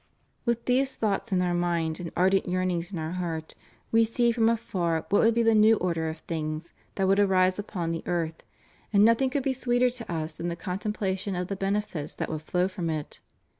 With these thoughts in Gin: mind and ardent yearnings in Our heart, We see from afar what would be the new order of things that would arise upon the earth, and nothing could be sweeter to Us than the contemplation of the benefits that would flow from it.